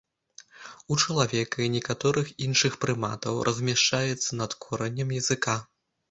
У чалавека і некаторых іншых прыматаў размяшчаецца над коранем языка.